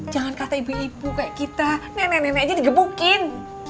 jangan kata ibu ibu kayak kita nenek nenek aja digebukin